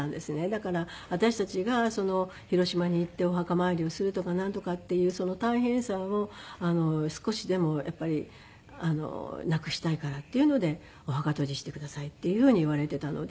だから私たちが広島に行ってお墓参りをするとかなんとかっていう大変さを少しでもやっぱりなくしたいからっていうので「お墓閉じしてください」っていうふうに言われていたので。